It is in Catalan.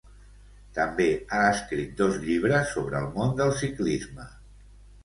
També ha escrit dos llibres sobre el món del ciclisme.